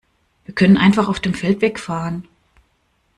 Wir können einfach auf dem Feldweg fahren.